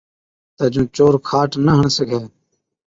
تہ جُون چور کاٽ نہ هڻ سِگھَي،